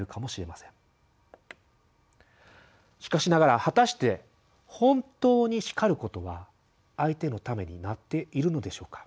しかしながら果たして本当に叱ることは相手のためになっているのでしょうか？